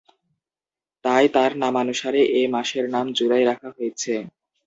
তাই তার নামানুসারে এ মাসের নাম জুলাই রাখা হয়েছে।